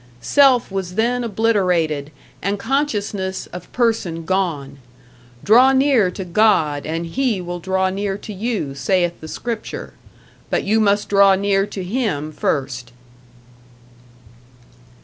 Self was then obliterated and consciousness of person gone. Draw near to God and He will draw near to you saith the scripture, but you must draw near to Him first.